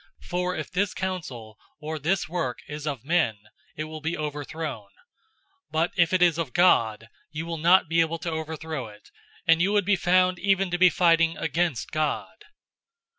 For if this counsel or this work is of men, it will be overthrown. 005:039 But if it is of God, you will not be able to overthrow it, and you would be found even to be fighting against God!"